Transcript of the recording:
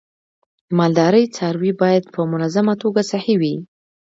د مالدارۍ څاروی باید په منظمه توګه صحي وي.